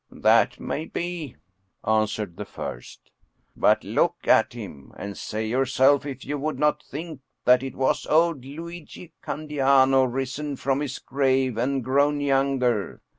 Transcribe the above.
" That may be," answered the first. " But look at him, and say yourself if you would not think that it was old Luigi Candiano risen from his grave and grown younger.